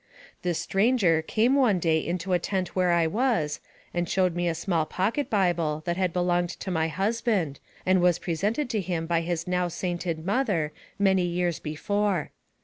This stranger came one day into a tent where I was, and showed me a small pocket bible that had belonged to my husband, and was presented to him by his now sainted mother many years before.